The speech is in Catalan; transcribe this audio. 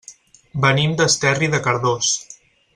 Venim d'Esterri de Cardós.